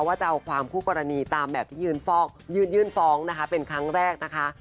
ว่าจะเอาความคู่กรณีตามแบบที่ยื่นฟ้องนะคะเป็นครั้งแรกนะคะ